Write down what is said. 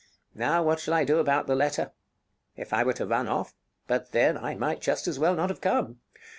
Now what shall I do about the letter? If I were to run off? but then I might just as well not have come.